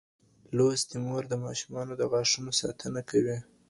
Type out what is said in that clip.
لوستې مور د ماشومانو د غاښونو ساتنه کوي.